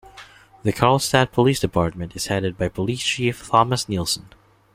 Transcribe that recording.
The Carlstadt Police Department is headed by Police Chief Thomas Nielsen.